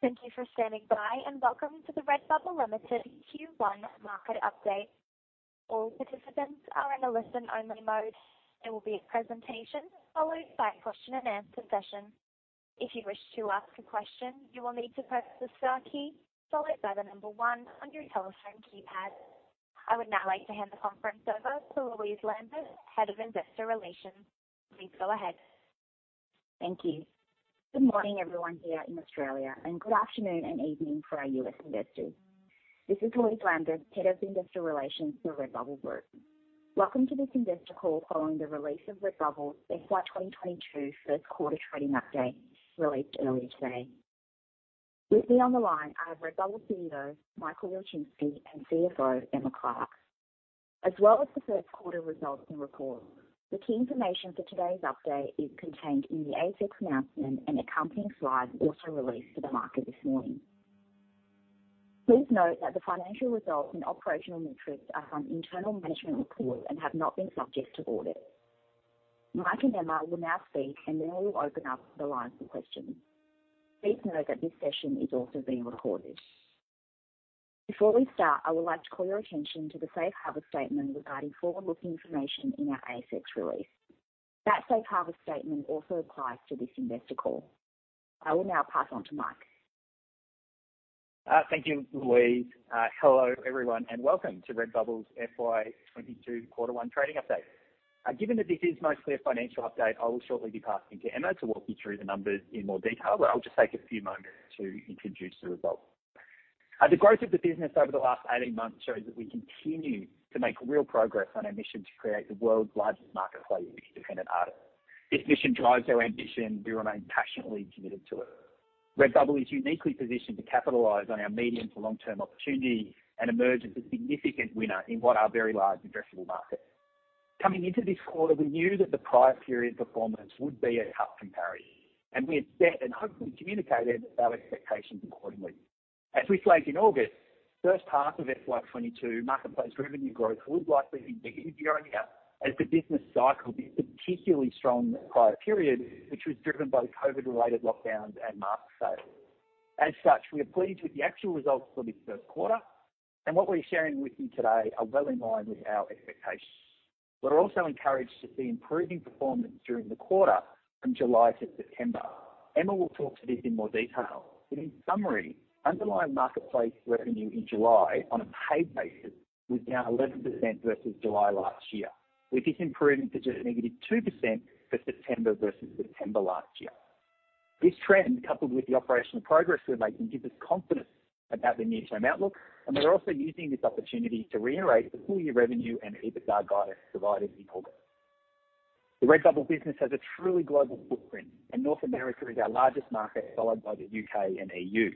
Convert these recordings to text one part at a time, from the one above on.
Thank you for standing by, welcome to the Redbubble Limited Q1 Market Update. All participants are in a listen-only mode. There will be a presentation followed by a question-and-answer session. If you wish to ask a question, you will need to press the star key followed by the number one on your telephone keypad. I would now like to hand the conference over to Louise Lambeth, Head of Investor Relations. Please go ahead. Thank you. Good morning, everyone here in Australia, and good afternoon and evening for our U.S. investors. This is Louise Lambeth, Head of Investor Relations for Redbubble Group. Welcome to this investor call following the release of Redbubble FY 2022 first quarter trading update released earlier today. With me on the line, I have Redbubble CEO, Michael Ilczynski and CFO, Emma Clark. As well as the first quarter results and report, the key information for today's update is contained in the ASX announcement and accompanying slides also released to the market this morning. Please note that the financial results and operational metrics are from internal management reports and have not been subject to audit. Mike and Emma will now speak, and then we will open up the lines for questions. Please note that this session is also being recorded. Before we start, I would like to call your attention to the safe harbor statement regarding forward-looking information in our ASX release. That safe harbor statement also applies to this investor call. I will now pass on to Mike. Thank you, Louise. Hello, everyone, and welcome to Redbubble's FY 2022 Quarter One Trading Update. Given that this is mostly a financial update, I will shortly be passing to Emma to walk you through the numbers in more detail. I'll just take a few moments to introduce the results. The growth of the business over the last 18 months shows that we continue to make real progress on our mission to create the world's largest marketplace for independent artists. This mission drives our ambition. We remain passionately committed to it. Redbubble is uniquely positioned to capitalize on our medium to long-term opportunity and emerge as a significant winner in what are very large addressable markets. Coming into this quarter, we knew that the prior period performance would be a tough compare, and we had set and hopefully communicated our expectations accordingly. As we flagged in August, first half of FY 2022 marketplace revenue growth would likely be negative year-on-year as the business cycle would be particularly strong in the prior period, which was driven by COVID-related lockdowns and mask sales. As such, we are pleased with the actual results for this first quarter and what we're sharing with you today are well in line with our expectations. We're also encouraged to see improving performance during the quarter from July-September. Emma will talk to this in more detail. In summary, underlying marketplace revenue in July on a paid basis was down 11% versus July last year, with this improvement to just negative 2% for September versus September last year. This trend, coupled with the operational progress we're making, gives us confidence about the near-term outlook, and we're also using this opportunity to reiterate the full-year revenue and EBITDA guidance provided in August. The Redbubble business has a truly global footprint, and North America is our largest market, followed by the U.K. and EU.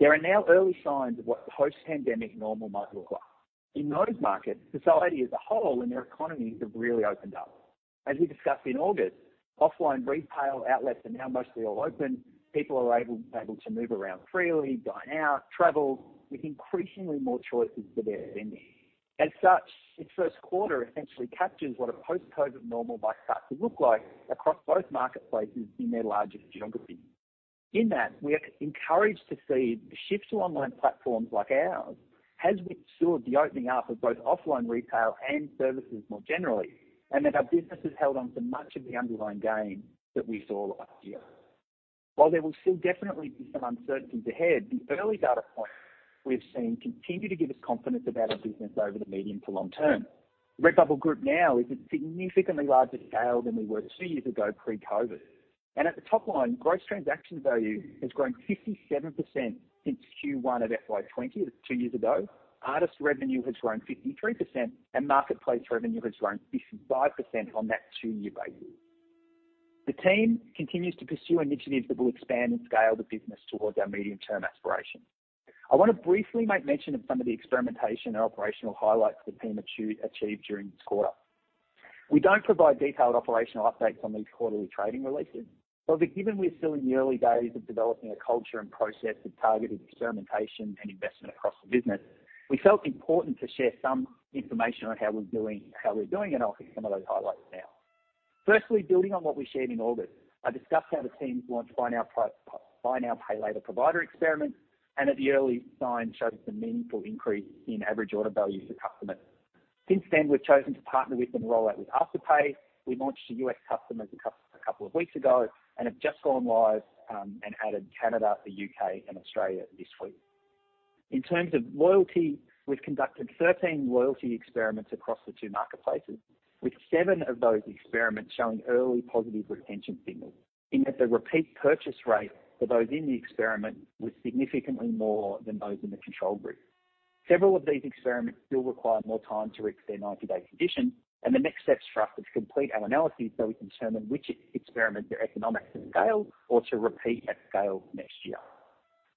There are now early signs of what the post-pandemic normal might look like. In those markets, society as a whole and their economies have really opened up. As we discussed in August, offline retail outlets are now mostly all open. People are able to move around freely, dine out, travel with increasingly more choices for their spending. As such, this first quarter essentially captures what a post-COVID normal might start to look like across both marketplaces in their largest geographies. In that, we are encouraged to see the shift to online platforms like ours has withstood the opening up of both offline retail and services more generally, and that our business has held on to much of the underlying gains that we saw last year. While there will still definitely be some uncertainties ahead, the early data points we've seen continue to give us confidence about our business over the medium to long term. Redbubble Group now is at significantly larger scale than we were two years ago pre-COVID, and at the top line, gross transaction value has grown 57% since Q1 of FY 2020. That's two years ago. Artist revenue has grown 53%, and marketplace revenue has grown 55% on that two-year basis. The team continues to pursue initiatives that will expand and scale the business towards our medium-term aspirations. I want to briefly make mention of some of the experimentation and operational highlights the team achieved during this quarter. We've did provide data of operational update from our trading related. Given we are still in the early days of developing a culture and process of targeted experimentation and investment across the business, we felt important to share some information on how we're doing and offer some of those highlights now. Firstly, building on what we shared in August. I discussed how the team's launched buy now, pay later provider experiments and that the early signs showed a meaningful increase in average order value for customers. Since then, we've chosen to partner with and roll out with Afterpay. We launched to U.S. customers a couple of weeks ago and have just gone live and added Canada, the U.K. and Australia this week. In terms of loyalty, we've conducted 13 loyalty experiments across the two marketplaces, with seven of those experiments showing early positive retention signals in that the repeat purchase rate for those in the experiment was significantly more than those in the control group. Several of these experiments still require more time to reach their 90-day condition, and the next steps for us is to complete our analysis so we can determine which experiments are economic to scale or to repeat at scale next year.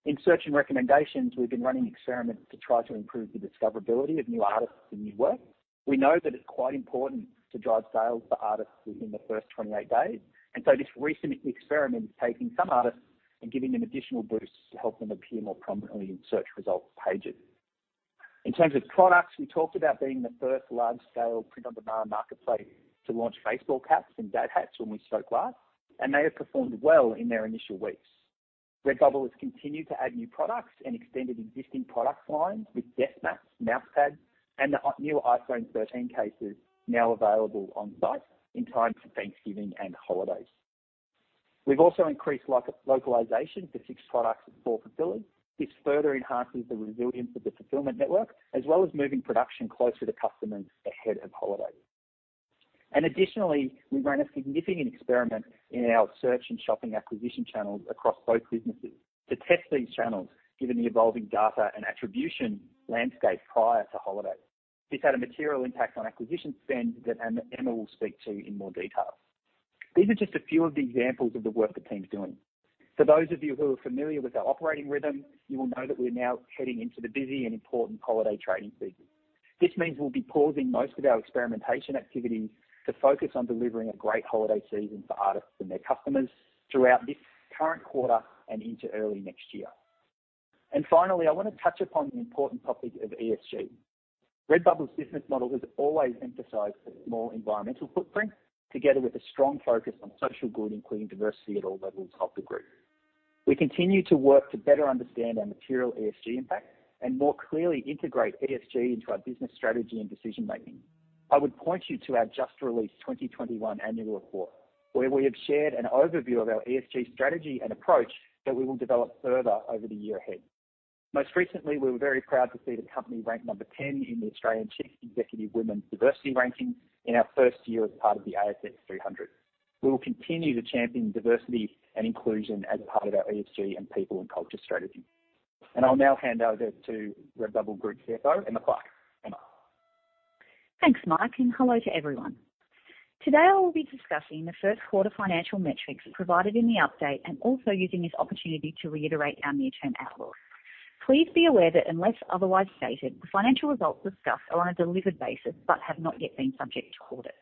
In search and recommendations, we've been running experiments to try to improve the discoverability of new artists and new work. We know that it's quite important to drive sales for artists within the first 28 days, and so this recent experiment is taking some artists and giving them additional boosts to help them appear more prominently in search results pages. In terms of products, we talked about being the first large-scale print-on-demand marketplace to launch baseball caps and dad hats when we spoke last, and they have performed well in their initial weeks. Redbubble has continued to add new products and extended existing product lines with desk mats, mouse pads, and the new iPhone 13 cases now available on site in time for Thanksgiving and holidays. We've also increased localization for six products at four facilities. This further enhances the resilience of the fulfillment network, as well as moving production closer to customers ahead of holidays. Additionally, we ran a significant experiment in our search and shopping acquisition channels across both businesses to test these channels given the evolving data and attribution landscape prior to holidays. This had a material impact on acquisition spend that Emma will speak to in more detail. These are just a few of the examples of the work the team's doing. For those of you who are familiar with our operating rhythm, you will know that we're now heading into the busy and important holiday trading season. This means we'll be pausing most of our experimentation activities to focus on delivering a great holiday season for artists and their customers throughout this current quarter and into early next year. Finally, I want to touch upon the important topic of ESG. Redbubble's business model has always emphasized a small environmental footprint, together with a strong focus on social good, including diversity at all levels of the group. We continue to work to better understand our material ESG impact and more clearly integrate ESG into our business strategy and decision-making. I would point you to our just-released 2021 annual report, where we have shared an overview of our ESG strategy and approach that we will develop further over the year ahead. Most recently, we were very proud to see the company ranked number 10 in the Australian Chief Executive Women's Diversity Ranking in our first year as part of the ASX 300. We will continue to champion diversity and inclusion as a part of our ESG and people and culture strategy. I'll now hand over to Redbubble Group CFO, Emma Clark. Emma? Thanks, Mike, and hello to everyone. Today, I will be discussing the first quarter financial metrics provided in the update and also using this opportunity to reiterate our near-term outlook. Please be aware that unless otherwise stated, the financial results discussed are on a delivered basis but have not yet been subject to audit.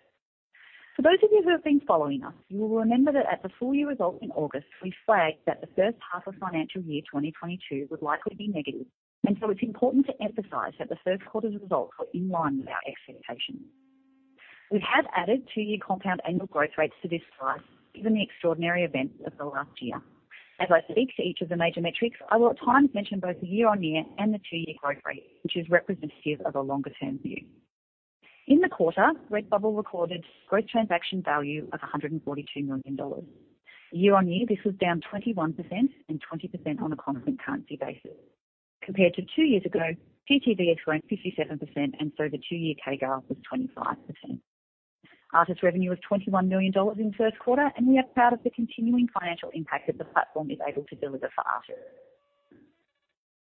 For those of you who have been following us, you will remember that at the full-year results in August, we flagged that the first half of FY 2022 would likely be negative. It's important to emphasize that the first quarter's results were in line with our expectations. We have added two-year compound annual growth rates to this slide, given the extraordinary events of the last year. As I speak to each of the major metrics, I will at times mention both the year-on-year and the two-year growth rate, which is representative of a longer-term view. In the quarter, Redbubble recorded gross transaction value of 142 million dollars. Year-on-year, this was down 21% and 20% on a constant currency basis. Compared to two years ago, GTV has grown 57%. The two-year CAGR was 25%. Artist revenue was 21 million dollars in the first quarter. We are proud of the continuing financial impact that the platform is able to deliver for artists.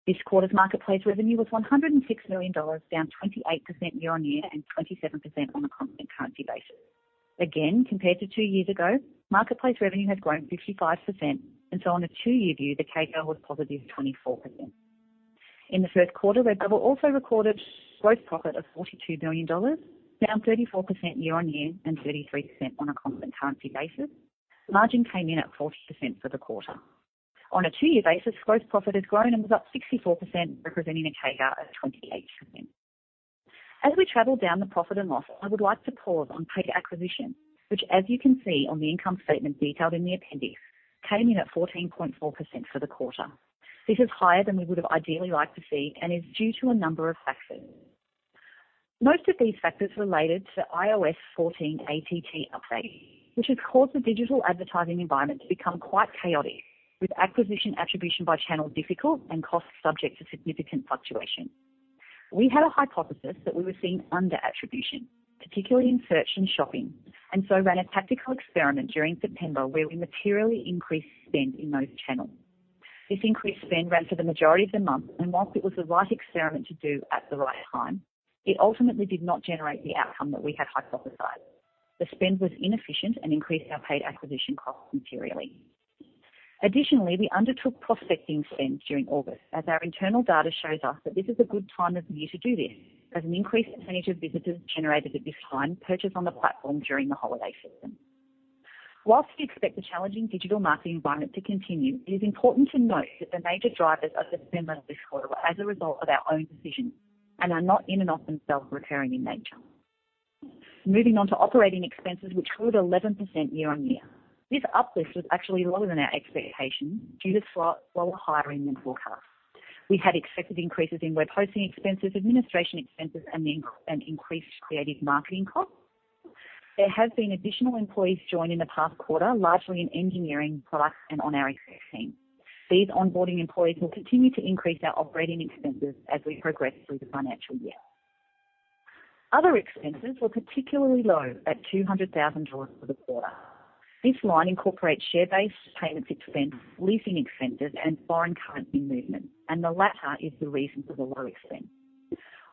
This quarter's marketplace revenue was 106 million dollars, down 28% year-on-year and 27% on a constant currency basis. Compared to two years ago, marketplace revenue has grown 55%. On a two-year view, the CAGR was positive 24%. In the first quarter, Redbubble also recorded gross profit of 42 million dollars, down 34% year-on-year and 33% on a constant currency basis. Margin came in at 40% for the quarter. On a two-year basis, gross profit has grown and was up 64%, representing a CAGR of 28%. As we travel down the profit and loss, I would like to pause on paid acquisition, which as you can see on the income statement detailed in the appendix, came in at 14.4% for the quarter. This is higher than we would have ideally liked to see and is due to a number of factors. Most of these factors related to iOS 14 ATT update, which has caused the digital advertising environment to become quite chaotic with acquisition attribution by channel difficult and costs subject to significant fluctuation. We had a hypothesis that we were seeing under-attribution, particularly in search and shopping, ran a tactical experiment during September where we materially increased spend in those channels. This increased spend ran for the majority of the month, while it was the right experiment to do at the right time, it ultimately did not generate the outcome that we had hypothesized. The spend was inefficient and increased our paid acquisition costs materially. Additionally, we undertook prospecting spend during August, as our internal data shows us that this is a good time of year to do this, as an increased percentage of visitors generated at this time purchase on the platform during the holiday season. Whilst we expect the challenging digital marketing environment to continue, it is important to note that the major drivers of December this quarter are as a result of our own decisions and are not in and of themselves recurring in nature. Moving on to operating expenses, which grew at 11% year-on-year. This uplift was actually lower than our expectations due to slower hiring than forecast. We had expected increases in web hosting expenses, administration expenses, and increased creative marketing costs. There have been additional employees join in the past quarter, largely in engineering, product, and on our ethics team. These onboarding employees will continue to increase our operating expenses as we progress through the financial year. Other expenses were particularly low at 200,000 dollars for the quarter. This line incorporates share-based payments expense, leasing expenses, and foreign currency movements, and the latter is the reason for the low expense.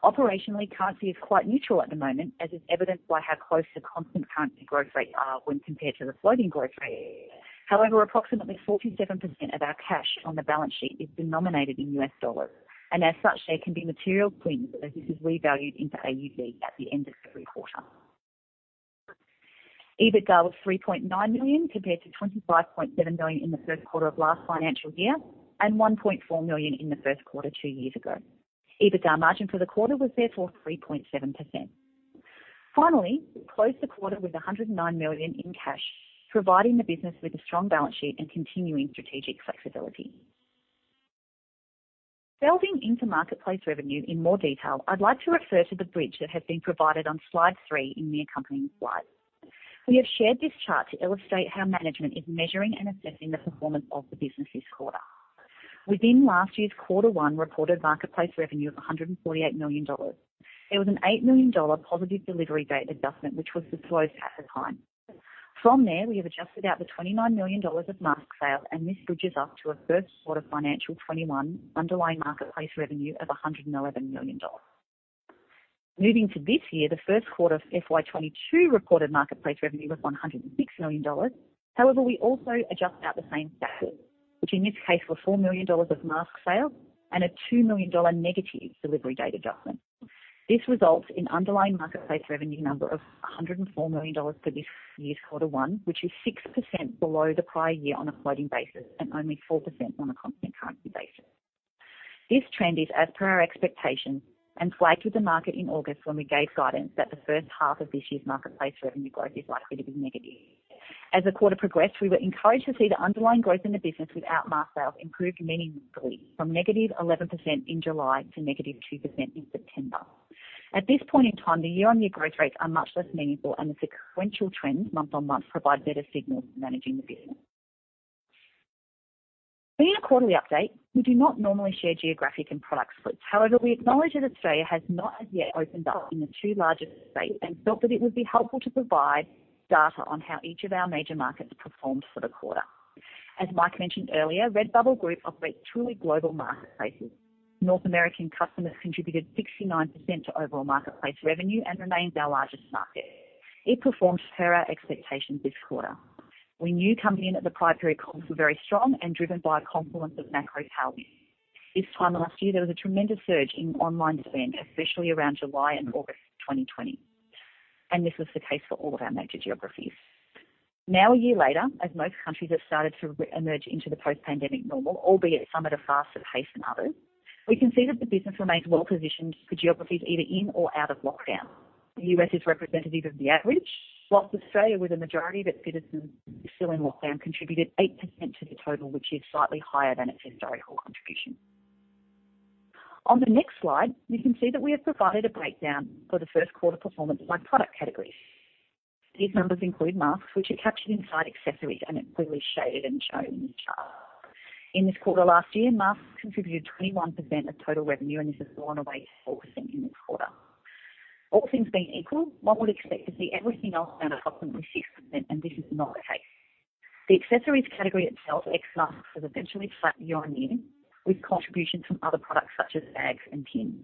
Operationally, currency is quite neutral at the moment, as is evidenced by how close the constant currency growth rates are when compared to the floating growth rate. However, approximately 47% of our cash on the balance sheet is denominated in US dollars, and as such, there can be material swings as this is revalued into AUD at the end of every quarter. EBITDA was 3.9 million compared to 25.7 million in the first quarter of last financial year, and 1.4 million in the first quarter two years ago. EBITDA margin for the quarter was therefore 3.7%. We closed the quarter with 109 million in cash, providing the business with a strong balance sheet and continuing strategic flexibility. Delving into marketplace revenue in more detail, I'd like to refer to the bridge that has been provided on slide three in the accompanying slides. We have shared this chart to illustrate how management is measuring and assessing the performance of the business this quarter. Within last year's quarter one reported marketplace revenue of 148 million dollars. There was an 8 million dollar positive delivery date adjustment, which was disclosed at the time. From there, we have adjusted out the 29 million dollars of mask sales, and this bridges us to a first quarter financial 2021 underlying marketplace revenue of 111 million dollars. Moving to this year, the first quarter of FY 2022 reported marketplace revenue was 106 million dollars. However, we also adjust out the same factors, which in this case were 4 million dollars of mask sales and a 2 million dollar negative delivery date adjustment. This results in underlying marketplace revenue number of 104 million dollars for this year's quarter one, which is 6% below the prior year on a floating basis and only 4% on a constant currency basis. This trend is as per our expectations and flagged with the market in August when we gave guidance that the first half of this year's marketplace revenue growth is likely to be negative. As the quarter progressed, we were encouraged to see the underlying growth in the business without mask sales improve meaningfully from -11% in July to -2% in September. At this point in time, the year-on-year growth rates are much less meaningful, and the sequential trends month-on-month provide better signals for managing the business. Being a quarterly update, we do not normally share geographic and product splits. However, we acknowledge that Australia has not as yet opened up in the two largest states and felt that it would be helpful to provide data on how each of our major markets performed for the quarter. As Mike mentioned earlier, Redbubble Group operates truly global marketplaces. North American customers contributed 69% to overall marketplace revenue and remains our largest market. It performed per our expectations this quarter. We knew coming in that the prior period comps were very strong and driven by a confluence of macro tailwinds. This time last year, there was a tremendous surge in online spend, especially around July and August 2020, and this was the case for all of our major geographies. Now, a year later, as most countries have started to emerge into the post-pandemic normal, albeit some at a faster pace than others, we can see that the business remains well-positioned for geographies either in or out of lockdown. The U.S. is representative of the average. Whilst Australia, with a majority of its citizens still in lockdown, contributed 8% to the total, which is slightly higher than its historical contribution. On the next slide, you can see that we have provided a breakdown for the first quarter performance by product category. These numbers include masks, which are captured inside accessories and are clearly shaded and shown in the chart. In this quarter last year, masks contributed 21% of total revenue, and this has gone away completely in this quarter. All things being equal, one would expect to see everything else down approximately 6%, and this is not the case. The accessories category itself, ex masks, is essentially flat year-on-year with contributions from other products such as bags and pins.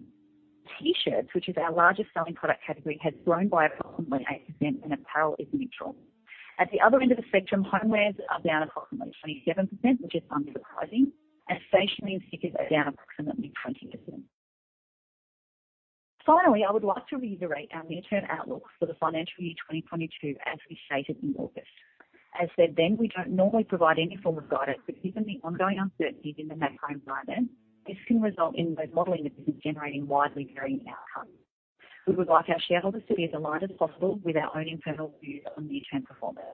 T-shirts, which is our largest selling product category, has grown by approximately 8%, and apparel is neutral. At the other end of the spectrum, homewares are down approximately 27%, which is unsurprising, and stationery and stickers are down approximately 20%. Finally, I would like to reiterate our near-term outlook for the financial year 2022, as we stated in August. As said then, we don't normally provide any form of guidance, but given the ongoing uncertainties in the macro environment, this can result in the modeling of the business generating widely varying outcomes. We would like our shareholders to be as aligned as possible with our own internal views on near-term performance.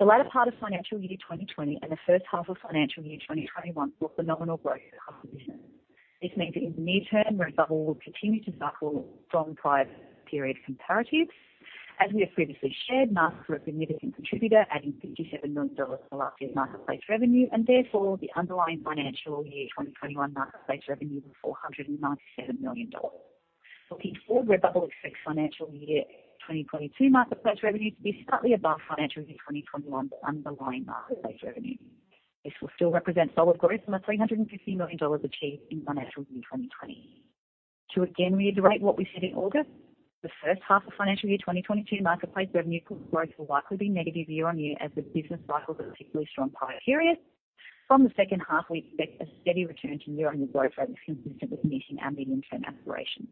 The latter part of financial year 2020 and the first half of financial year 2021 saw phenomenal growth across the business. This means that in the near term, Redbubble will continue to suffer from prior period comparatives. As we have previously shared, masks were a significant contributor, adding 57 million dollars to last year's marketplace revenue, and therefore the underlying financial year 2021 marketplace revenue was AUD 497 million. Looking forward, Redbubble expects financial year 2022 marketplace revenue to be slightly above financial year 2021 underlying marketplace revenue. This will still represent solid growth from the 350 million dollars achieved in financial year 2020. To again reiterate what we said in August, the first half of financial year 2022 marketplace revenue growth will likely be negative year-on-year as the business cycles a particularly strong prior period. From the second half, we expect a steady return to year-on-year growth rates consistent with meeting our medium-term aspirations.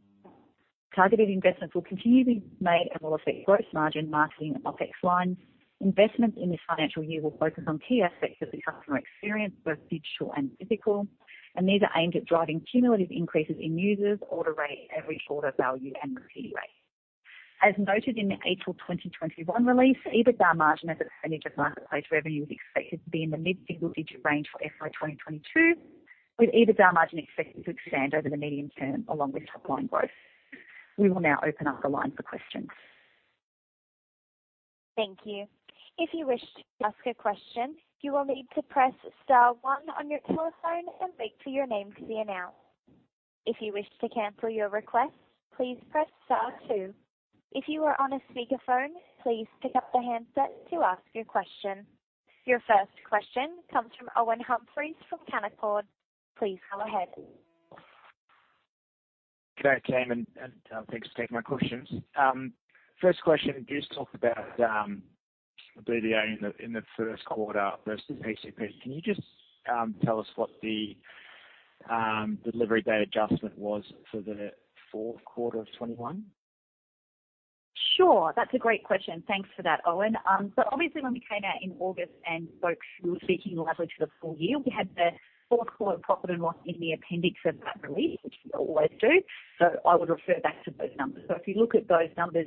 Targeted investments will continue to be made and will affect gross margin, marketing, and OpEx lines. Investments in this financial year will focus on key aspects of the customer experience, both digital and physical, and these are aimed at driving cumulative increases in users, order rate, average order value, and repeat rate. As noted in the April 2021 release, EBITDA margin as a percentage of marketplace revenue is expected to be in the mid-single-digit range for FY 2022, with EBITDA margin expected to expand over the medium term along with top-line growth. We will now open up the line for questions. Thank you. If you wish to ask a question, you will need to press star one on your telephone and wait for your name to be announced. If you wish to cancel your request, please press star two. If you are on a speakerphone, please pick up the handset to ask your question. Your first question comes from Owen Humphries from Canaccord. Please go ahead. Good day, team, and thanks for taking my questions. First question, you just talked about the BVA in the first quarter versus PCP. Can you just tell us what the- Delivery date adjustment was for the fourth quarter of 2021? Sure. That's a great question. Thanks for that, Owen. Obviously, when we came out in August and folks were speaking largely for the full year, we had the fourth quarter profit and loss in the appendix of that release, which we always do. I would refer back to those numbers. If you look at those numbers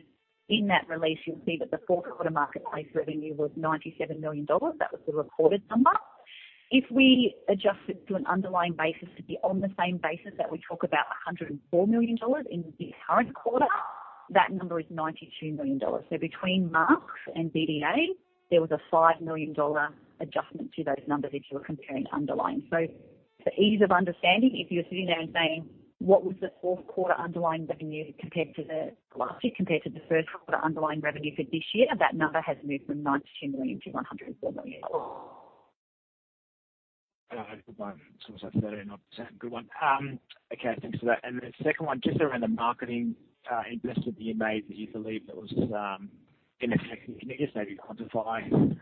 in that release, you'll see that the fourth quarter marketplace revenue was 97 million dollars. That was the reported number. If we adjusted to an underlying basis to be on the same basis that we talk about 104 million dollars in the current quarter, that number is 92 million dollars. Between masks and DDA, there was an 5 million dollar adjustment to those numbers if you were comparing underlying. For ease of understanding, if you're sitting there and saying, what was the fourth quarter underlying revenue compared to last year compared to the first quarter underlying revenue for this year, that number has moved from 92 million-104 million. Good one. Sorry, not good one. Okay, thanks for that. The second one, just around the marketing investment you made that you believe that was ineffective, can you just maybe quantify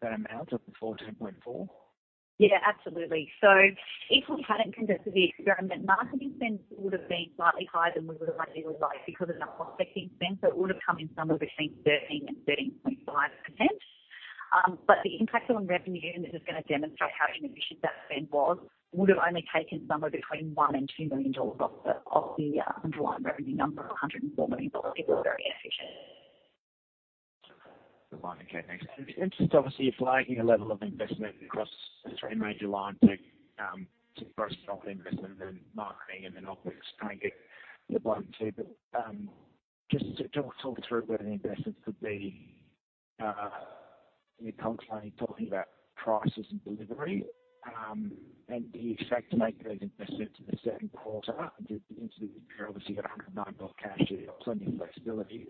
that amount of the 14.4 million? Absolutely. If we hadn't conducted the experiment, marketing spend would have been slightly higher than we would have liked because of the prospecting spend. It would have come in somewhere between 13% and 13.5%. The impact on revenue, and this is going to demonstrate how inefficient that spend was, would have only taken somewhere between 1 million and 2 million dollars off the underlying revenue number of 104 million dollars. It was very inefficient. Okay, thanks. It's interesting, obviously, you're flagging a level of investment across the three major lines to personal investment and marketing and then OpEx, trying to get the bottom two. Just talk through where the investments would be, you're constantly talking about prices and delivery. Do you expect to make those investments in the second quarter? Obviously, you've got AUD 109 million cash, so you've got plenty of flexibility.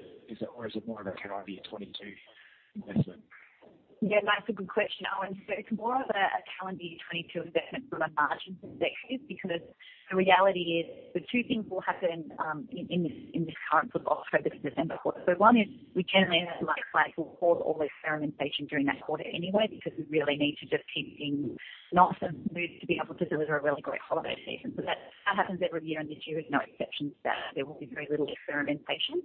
Or is it more of a calendar year 2022 investment? Yeah, that's a good question, Owen. It's more of a calendar year 2022 investment from a margin perspective, because the reality is the two things will happen in this current October-December quarter. One is we generally have to let Flybuys pause all experimentation during that quarter anyway, because we really need to just keep things nice and smooth to be able to deliver a really great holiday season. That happens every year, and this year is no exception to that. There will be very little experimentation.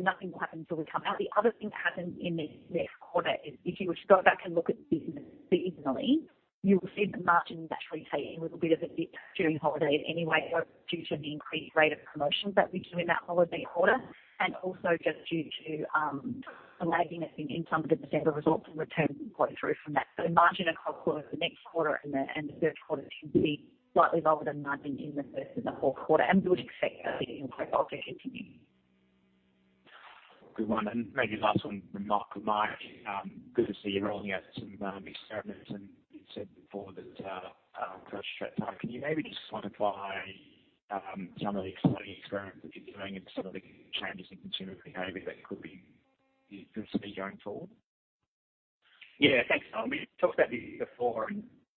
Nothing will happen till we come out. The other thing that happens in this quarter is if you were to go back and look at the business seasonally, you will see that margins actually take a little bit of a dip during holidays anyway due to the increased rate of promotions that we do in that holiday quarter, and also just due to a lag in some of the December results and return going through from that. Margin and gross profit the next quarter and the third quarter tend to be slightly lower than margin in the first and the fourth quarter, and we would expect that to continue. Good one. Maybe last one from Mike. Mike, good to see you rolling out some experiments, and you said before that it's a stretch time. Can you maybe just quantify some of the exciting experiments that you're doing and some of the changes in consumer behavior that could be going forward? Thanks. We talked about this before.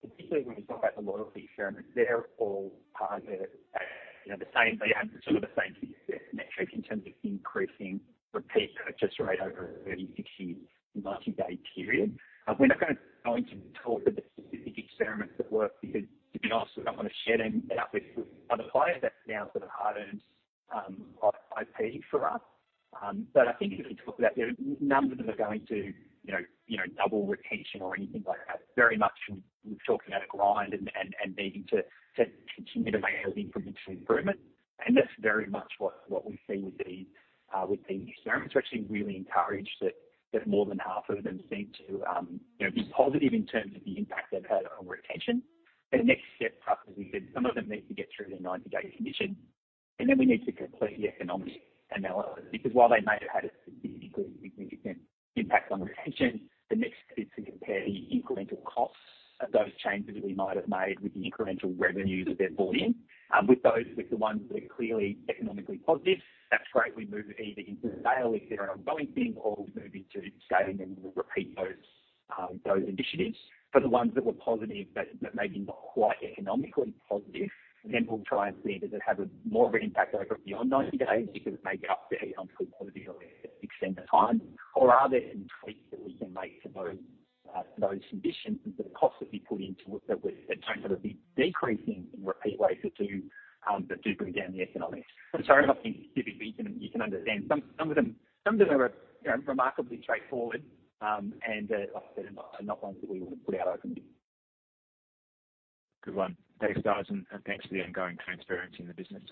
Particularly when we talk about the loyalty experiments, they have sort of the same success metrics in terms of increasing repeat purchase rate over a 30, 60, 90-day period. We're not going to talk about the specific experiments that work because, to be honest, we don't want to share them with other players. That's now sort of hard-earned IP for us. I think if we talk about the numbers that are going to double retention or anything like that, very much we're talking about a grind and needing to continue to make those incremental improvements. That's very much what we see with these experiments. We're actually really encouraged that more than half of them seem to be positive in terms of the impact they've had on retention. The next step, as we said, some of them need to get through the 90-day condition, and then we need to complete the economic analysis. Because while they may have had a significant impact on retention, the next bit is to compare the incremental costs of those changes we might have made with the incremental revenues that they've brought in. With the ones that are clearly economically positive, that's great. We move either into scale if they're an ongoing thing or we move into scaling and we'll repeat those initiatives. For the ones that were positive but maybe not quite economically positive, we'll try and see, does it have more of an impact over beyond 90 days? Because it may get up to economic positivity over an extended time. Are there any tweaks that we can make to those conditions and to the costs that we put into it that don't sort of be decreasing in repeat ways that do bring down the economics? Sorry, nothing specific, but you can understand. Some of them are remarkably straightforward, and like I said, are not ones that we would put out openly. Good one. Thanks, guys. Thanks for the ongoing transparency in the business.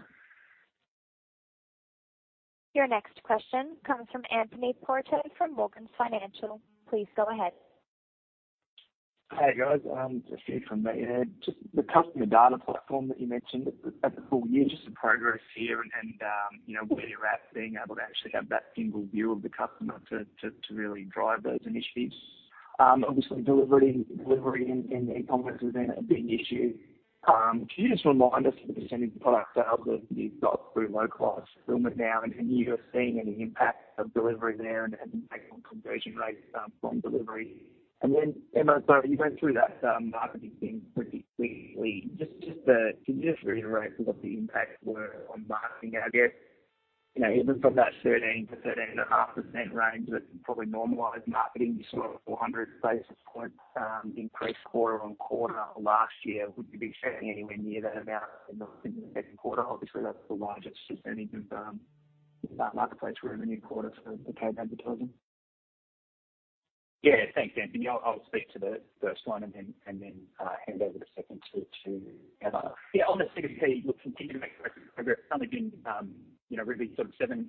Your next question comes from Anthony Porto from Morgan Financial. Please go ahead. Hey, guys. Just a few from me. Just the Customer Data Platform that you mentioned at the full year, just the progress here and where you're at being able to actually have that single view of the customer to really drive those initiatives. Obviously, delivery and e-commerce has been a big issue. Could you just remind us of the percent of product sales that you've got through low-cost fulfillment now, and have you seen any impact of delivery there and impact on conversion rates from delivery? Emma, sorry, you went through that marketing thing pretty quickly. Could you just reiterate what the impacts were on marketing, I guess? Even from that 13%-13.5% range that probably normalized marketing, you saw a 400 basis point increase quarter-on-quarter last year. Would you be expecting anywhere near that amount in the second quarter? Obviously, that's the largest percentage of that marketplace we're in the new quarter for paid advertising. Yeah. Thanks, Anthony. I'll speak to the first one and then hand over the second two to Emma. Yeah, on the CDP, we'll continue to make progress. It's only been really sort of seven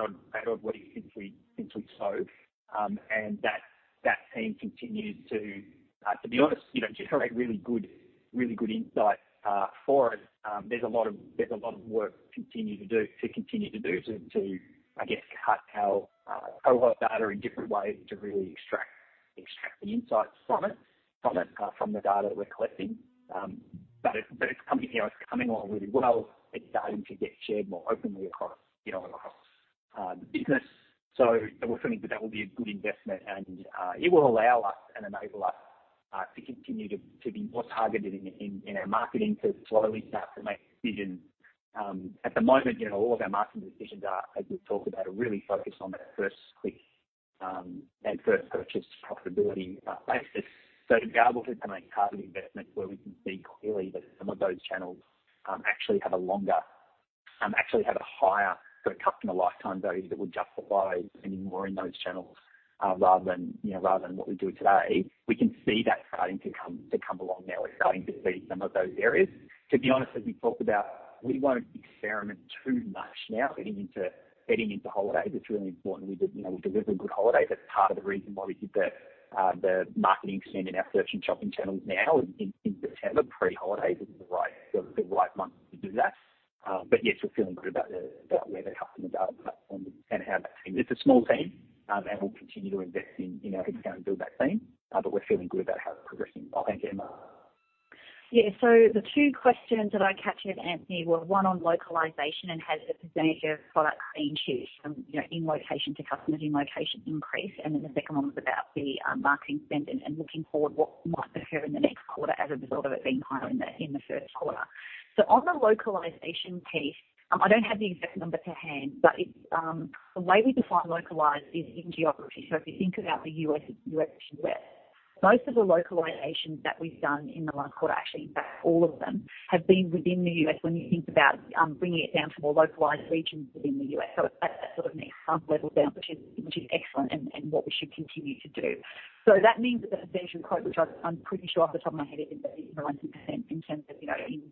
odd, eight odd weeks since we saw and that team continues to be honest, generate really good insight for us. There's a lot of work to continue to do, to, I guess, cut our cohort data in different ways to really extract the insights from the data that we're collecting. It's coming along really well. It's starting to get shared more openly across the business. We're feeling that will be a good investment and it will allow us and enable us to continue to be more targeted in our marketing to slowly start to make decisions. At the moment, all of our marketing decisions are, as we've talked about, are really focused on that first click and first purchase profitability basis. To be able to make targeted investments where we can see clearly that some of those channels actually have a higher sort of customer lifetime value that would justify spending more in those channels, rather than what we do today, we can see that starting to come along now. We're starting to see some of those areas. To be honest, as we've talked about, we won't experiment too much now getting into holidays. It's really important we deliver a good holiday. That's part of the reason why we did the marketing spend in our search and shopping channels now in September, pre-holiday. This is the right month to do that. Yes, we're feeling good about where the customer data platform and how that team. It's a small team, and we'll continue to invest in our ability to build that team. We're feeling good about how it's progressing. I'll hand to Emma. Yeah. The two questions that I captured, Anthony, were one on localization and has the percentage of products being choose from, in location to customers in location increase, and then the second one was about the marketing spend and looking forward what might occur in the next quarter as a result of it being higher in the first quarter. On the localization piece, I don't have the exact number to hand, but the way we define localized is in geography. If you think about the U.S., most of the localizations that we've done in the last quarter, actually in fact all of them, have been within the U.S. when you think about bringing it down to more localized regions within the U.S. That sort of means sub-level down, which is excellent and what we should continue to do. That means that the percentage you quote, which I'm pretty sure off the top of my head is at 39% in terms of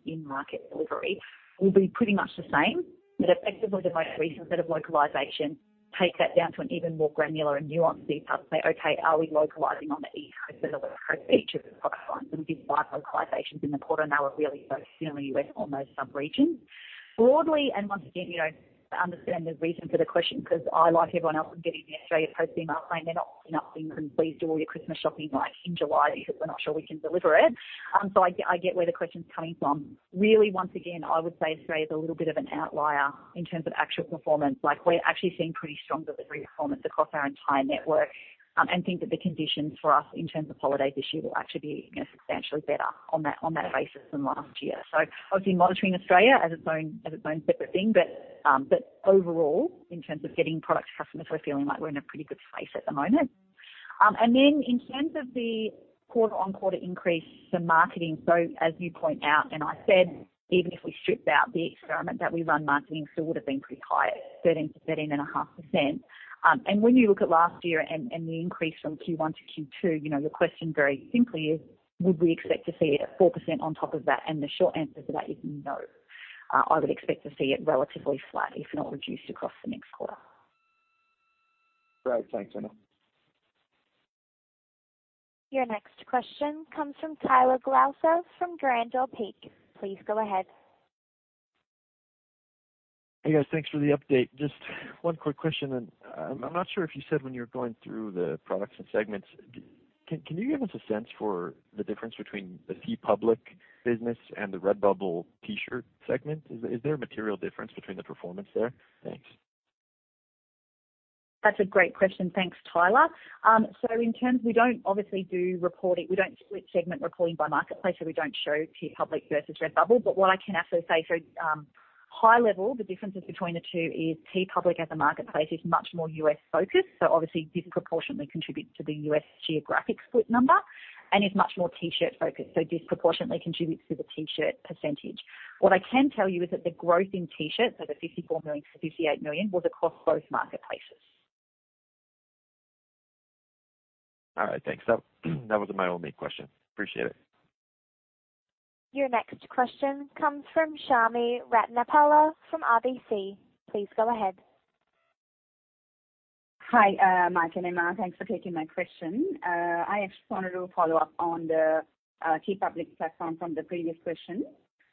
in market delivery, will be pretty much the same. Effectively, the most recent set of localization takes that down to an even more granular and nuanced detail to say, okay, are we localizing on the East Coast or the West Coast for each of the product lines? We did five localizations in the quarter, and they were really focused only U.S. on those sub-regions. Broadly, once again, I understand the reason for the question because I, like everyone else, am getting the Australia Post email saying, "They're not opening. Please do all your Christmas shopping like in July because we're not sure we can deliver it." I get where the question's coming from. Really, once again, I would say Australia is a little bit of an outlier in terms of actual performance. We're actually seeing pretty strong delivery performance across our entire network, and think that the conditions for us in terms of holidays this year will actually be substantially better on that basis than last year. Obviously monitoring Australia as its own separate thing. Overall, in terms of getting product to customers, we're feeling like we're in a pretty good space at the moment. In terms of the quarter-on-quarter increase for marketing. As you point out, and I said, even if we stripped out the experiment that we run, marketing still would've been pretty high at 13%-13.5%. When you look at last year and the increase from Q1-Q2, your question very simply is, would we expect to see it at 4% on top of that? The short answer to that is no. I would expect to see it relatively flat, if not reduced across the next quarter. Great. Thanks, Emma. Your next question comes from Tyler Glauser from Grandeur Peak. Please go ahead. Hey, guys. Thanks for the update. Just one quick question. I'm not sure if you said when you were going through the products and segments. Can you give us a sense for the difference between the TeePublic business and the Redbubble T-shirt segment? Is there a material difference between the performance there? Thanks. That's a great question. Thanks, Tyler. In terms, we don't obviously do reporting. We don't split segment reporting by marketplace, so we don't show TeePublic versus Redbubble. What I can absolutely say for high level, the differences between the two is TeePublic as a marketplace is much more U.S.-focused, so obviously disproportionately contributes to the U.S. geographic split number, and is much more T-shirt-focused, so disproportionately contributes to the T-shirt percentage. What I can tell you is that the growth in T-shirts, so the 54 million-58 million, was across both marketplaces. All right. Thanks. That was my only question. Appreciate it. Your next question comes from Chami Ratnapala from RBC. Please go ahead. Hi, Mike and Emma. Thanks for taking my question. I just wanted to follow up on the TeePublic platform from the previous question.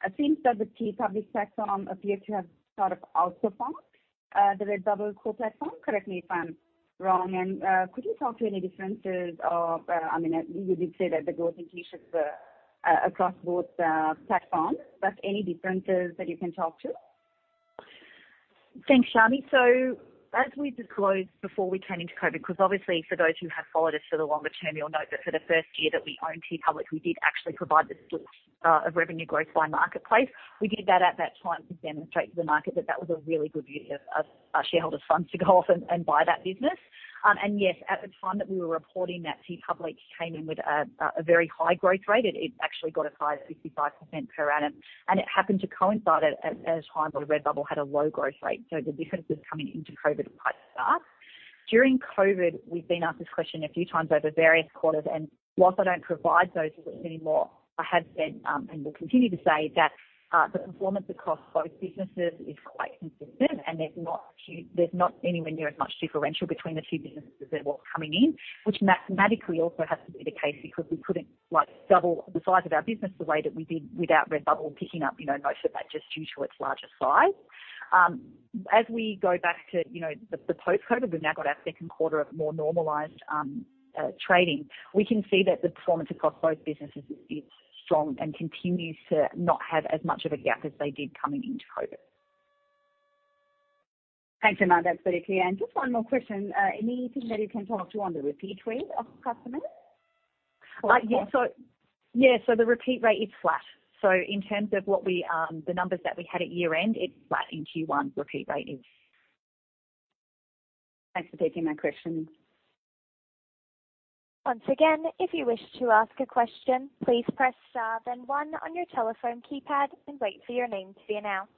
It seems that the TeePublic platform appears to have sort of outperformed the Redbubble core platform. Correct me if I'm wrong. Could you talk to any differences? You did say that the growth in T-shirts were across both platforms, but any differences that you can talk to? Thanks, Chami. As we disclosed before we came into COVID, because obviously for those who have followed us for the longer term, you'll know that for the first year that we owned TeePublic, we did actually provide the splits of revenue growth by marketplace. We did that at that time to demonstrate to the market that that was a really good use of shareholder funds to go off and buy that business. At the time that we were reporting that TeePublic came in with a very high growth rate. It actually got as high as 65% per annum, and it happened to coincide at a time when Redbubble had a low growth rate. The difference was coming into COVID at the height of the start. During COVID, we've been asked this question a few times over various quarters. While I don't provide those splits anymore, I have said and will continue to say that the performance across both businesses is quite consistent. There's not anywhere near as much differential between the two businesses than what was coming in, which mathematically also has to be the case because we couldn't double the size of our business the way that we did without Redbubble picking up most of that just due to its larger size. As we go back to the post-COVID, we've now got our second quarter of more normalized trading. We can see that the performance across both businesses is strong and continues to not have as much of a gap as they did coming into COVID. Thanks, Emma. That's very clear. Just one more question. Anything that you can talk to on the repeat rate of customers? Yeah. The repeat rate is flat. In terms of the numbers that we had at year-end, it's flat in Q1, repeat rate is. Thanks for taking my question. Once again, if you wish to ask a question, please press star then one on your telephone keypad and wait for your name to be announced.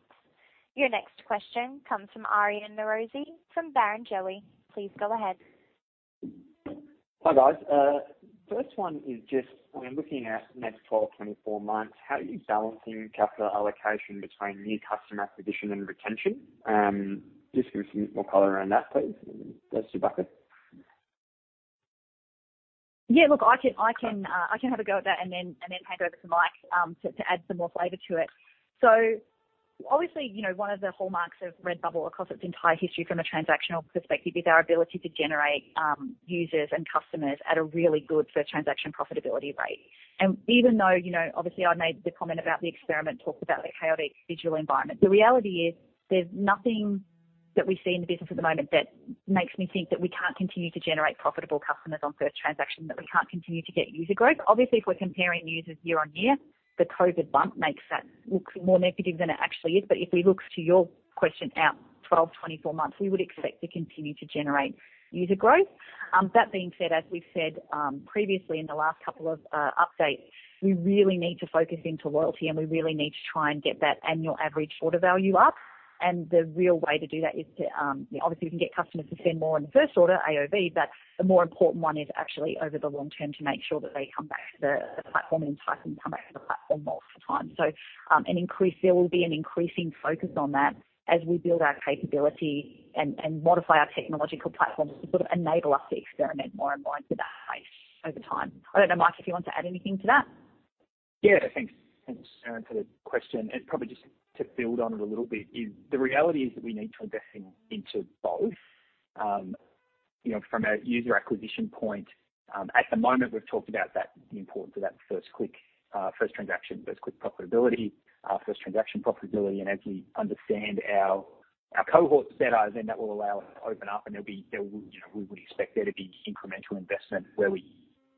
Your next question comes from Aryan Norozi from Barrenjoey. Please go ahead. Hi, guys. First one is just when looking at next 12, 24 months, how are you balancing capital allocation between new customer acquisition and retention? Just give me some more color around that, please. That's your bucket. Look, I can have a go at that and then hand over to Mike to add some more flavor to it. Obviously, one of the hallmarks of Redbubble across its entire history from a transactional perspective is our ability to generate users and customers at a really good first transaction profitability rate. Even though, obviously, I made the comment about the experiment, talked about the chaotic digital environment. The reality is, there's nothing that we see in the business at the moment that makes me think that we can't continue to generate profitable customers on first transaction, that we can't continue to get user growth. Obviously, if we're comparing users year-on-year, the COVID bump makes that look more negative than it actually is. If we look to your question out 12, 24 months, we would expect to continue to generate user growth. That being said, as we've said previously in the last couple of updates, we really need to focus into loyalty, and we really need to try and get that annual average order value up. The real way to do that is to obviously, we can get customers to spend more in the first order, AOV. The more important one is actually over the long term to make sure that they come back to the platform and entice them to come back to the platform more often times. There will be an increasing focus on that as we build our capability and modify our technological platforms to enable us to experiment more and more into that space over time. I don't know, Mike, if you want to add anything to that. Yeah. Thanks. Thanks, Aryan, for the question. Probably just to build on it a little bit is the reality is that we need to invest into both. From a user acquisition point, at the moment, we've talked about the importance of that first click, first transaction, first click profitability, first transaction profitability. As we understand our cohorts better, then that will allow us to open up, and we would expect there to be incremental investment where we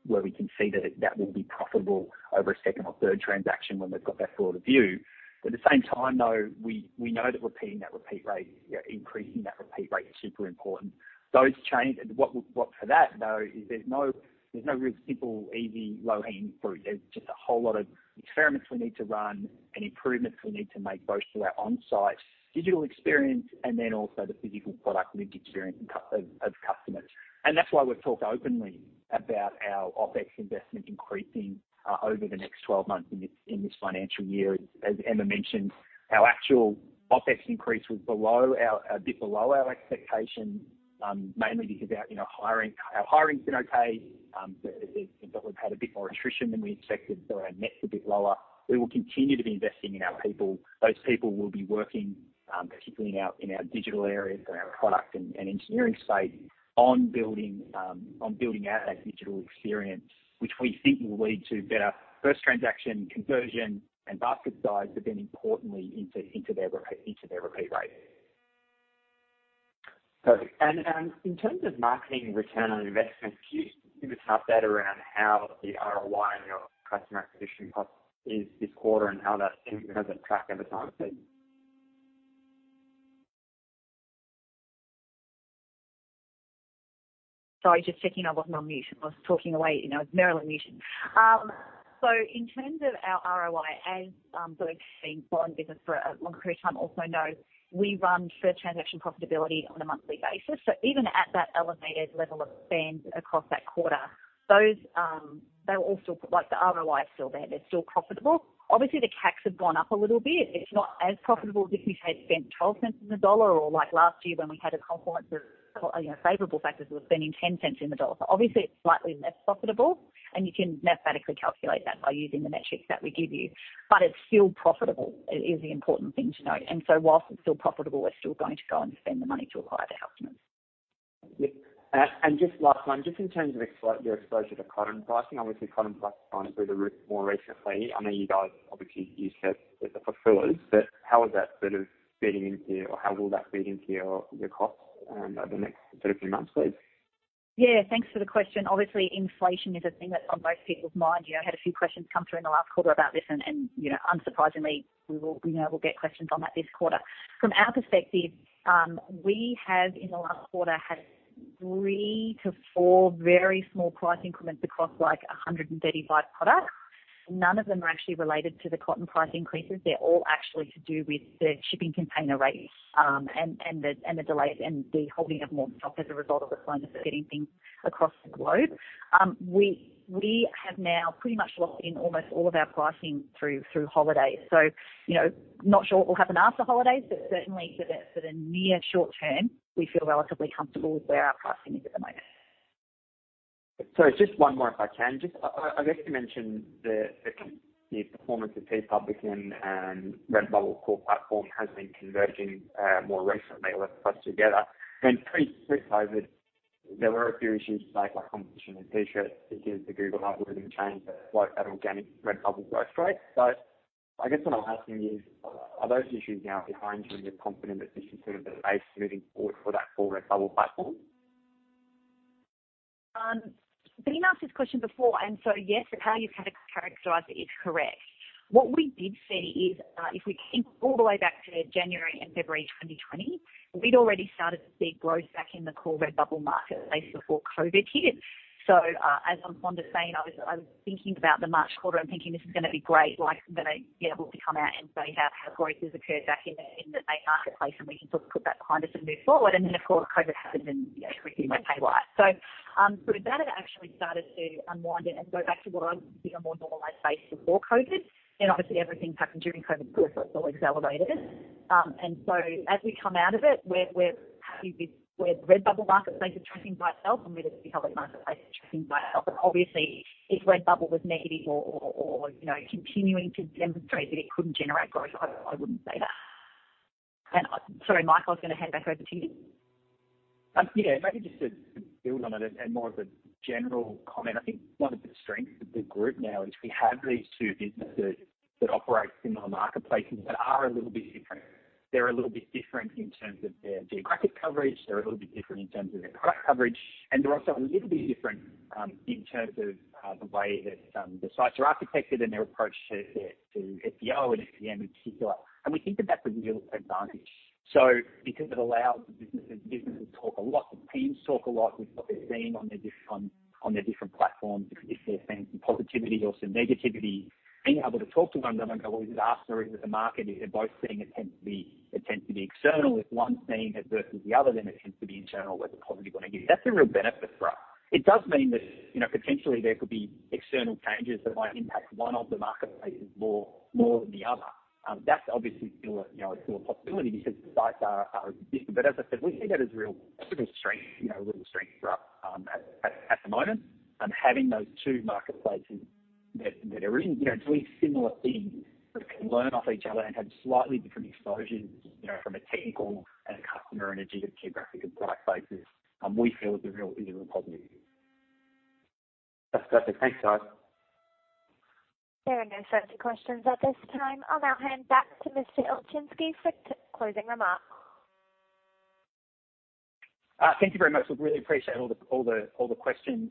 can see that will be profitable over a second or third transaction when they've got that broader view. At the same time, though, we know that repeating that repeat rate, increasing that repeat rate is super important. For that, though, is there's no real simple, easy, low-hanging fruit. There's just a whole lot of experiments we need to run and improvements we need to make, both to our on-site digital experience and then also the physical product lived experience of customers. That's why we've talked openly about our OpEx investment increasing over the next 12 months in this financial year. As Emma mentioned, our actual OpEx increase was a bit below our expectation, mainly because our hiring's been okay, but we've had a bit more attrition than we expected, so our net's a bit lower. We will continue to be investing in our people. Those people will be working, particularly in our digital areas and our product and engineering space, on building out that digital experience, which we think will lead to better first transaction conversion and basket size, but then importantly, into their repeat rate. Perfect. In terms of marketing return on investment, can you give us an update around how the ROI on your customer acquisition cost is this quarter and how that's tracking over time, please? Sorry, just checking I wasn't on mute. I was talking away. I was merrily on mute. In terms of our ROI, as those who have been following the business for a long period of time also know, we run first transaction profitability on a monthly basis. Even at that elevated level of spend across that quarter, the ROI is still there. They're still profitable. Obviously, the CACs have gone up a little bit. It's not as profitable as if we had spent 0.12 or like last year when we had a confluence of favorable factors, we were spending 0.10. Obviously, it's slightly less profitable, and you can mathematically calculate that by using the metrics that we give you. But it's still profitable is the important thing to note. While it's still profitable, we're still going to go and spend the money to acquire the customers. Yeah. Just last one, just in terms of your exposure to cotton pricing. Obviously cotton prices gone through the roof more recently. I know you guys, obviously you said as the fulfillers. How is that feeding into, or how will that feed into your costs over the next few months, please? Yeah. Thanks for the question. Obviously, inflation is a thing that's on most people's mind. I had a few questions come through in the last quarter about this, and unsurprisingly, we know we'll get questions on that this quarter. From our perspective, we have in the last quarter had three to four very small price increments across 135 products. None of them are actually related to the cotton price increases. They're all actually to do with the shipping container rates, and the delays, and the holding of more stock as a result of the slowness of getting things across the globe. We have now pretty much locked in almost all of our pricing through holidays. Not sure what will happen after holidays, but certainly for the near short term, we feel relatively comfortable with where our pricing is at the moment. Sorry, just one more if I can. You mentioned the performance of TeePublic and Redbubble core platform has been converging more recently or closer together. Pre-COVID, there were a few issues like competition with T-shirts because the Google algorithm change that organic Redbubble growth rate. What I'm asking you is, are those issues now behind you and you're confident that this is sort of the base moving forward for that core Redbubble platform? You've asked this question before, yes, how you've characterized it is correct. What we did see is, if we think all the way back to January and February 2020, we'd already started to see growth back in the core Redbubble marketplace before COVID hit. As I'm fond of saying, I was thinking about the March quarter and thinking, this is going to be great. We'll be able to come out and say how growth has occurred back in the main marketplace, and we can sort of put that behind us and move forward. Of course, COVID happened, and everything went haywire. With that, it actually started to unwind and go back to what I would say a more normalized base before COVID. Obviously everything happened during COVID. Of course, that all accelerated it. As we come out of it, we're happy with where the Redbubble marketplace is tracking by itself and where the TeePublic marketplace is tracking by itself. Obviously if Redbubble was negative or continuing to demonstrate that it couldn't generate growth, I wouldn't say that. Sorry, Mike, I was going to hand back over to you. Maybe just to build on it and more of a general comment. I think one of the strengths of the group now is we have these two businesses that operate similar marketplaces but are a little bit different. They're a little bit different in terms of their geographic coverage. They're a little bit different in terms of their product coverage. They're also a little bit different in terms of the way that the sites are architected and their approach to SEO and SEM in particular. We think that that's a real advantage. Because it allows the businesses to talk a lot, the teams talk a lot with what they're seeing on their different platforms. If they're seeing some positivity or some negativity, being able to talk to one another and go, "Well, is it us or is it the market?" If they're both seeing it tends to be external. If one's seeing it versus the other, then it tends to be internal, whether positive or negative. That's a real benefit for us. It does mean that potentially there could be external changes that might impact one of the marketplaces more than the other. That's obviously still a possibility because the sites are different. As I said, we see that as a real strength for us at the moment. Having those two marketplaces that are doing similar things, but can learn off each other and have slightly different exposures from a technical and a customer and a geographic and product basis, we feel is a real positive. That's perfect. Thanks, guys. There are no further questions at this time. I'll now hand back to Mr. Ilczynski for closing remarks. Thank you very much. We really appreciate all the questions.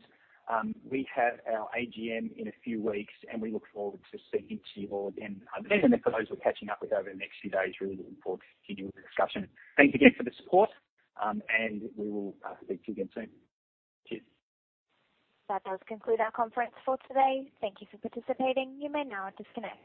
We have our AGM in a few weeks, and we look forward to speaking to you all again then. For those we're catching up with over the next few days, really looking forward to continuing the discussion. Thanks again for the support, and we will speak to you again soon. Cheers. That does conclude our conference for today. Thank you for participating. You may now disconnect.